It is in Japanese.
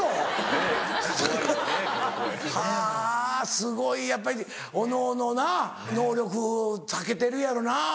すごいやっぱりおのおのな能力長けてるやろな。